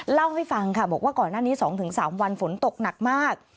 เล่าให้ฟังค่ะบอกว่าก่อนหน้านี้๒๓วันฝนตกหนักมาก